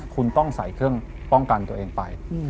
คุณต้องใส่เครื่องป้องกันตัวเองไป